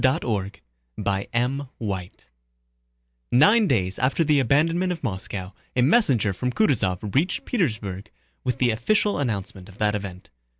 CHAPTER III Nine days after the abandonment of Moscow, a messenger from Kutúzov reached Petersburg with the official announcement of that event.